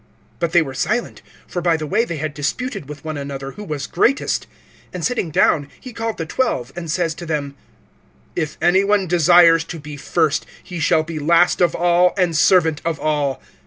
(34)But they were silent; for by the way they had disputed with one another, who was greatest. (35)And sitting down, he called the twelve, and says to them: If any one desires to be first, he shall be last of all, and servant of all.